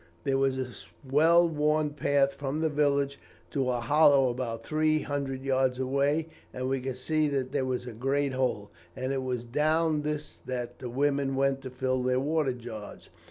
There was a well worn path from the village to a hollow about three hundred yards away, and we could see that there was a great hole, and it was down this that the women went to fill their water jars.